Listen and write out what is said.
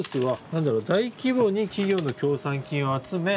何だろ「大規模に企業の協賛金を集め」。